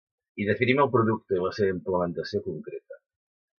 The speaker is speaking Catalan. I definim el producte i la seva implementació concreta.